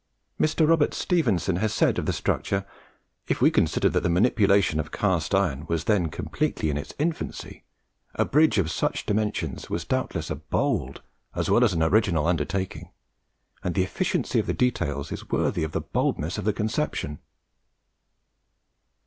Mr. Robert Stephenson has said of the structure: "If we consider that the manipulation of cast iron was then completely in its infancy, a bridge of such dimensions was doubtless a bold as well as an original undertaking, and the efficiency of the details is worthy of the boldness of the conception."